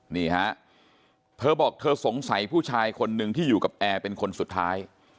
นี่ฮะเธอบอกเธอสงสัยผู้ชายคนนึงที่อยู่กับแอร์เป็นคนสุดท้าย